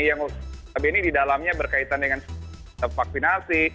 yang sebenarnya di dalamnya berkaitan dengan vaksinasi